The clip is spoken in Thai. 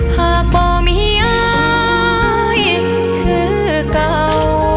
บ่มีอายคือเก่า